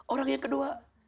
orang yang kedua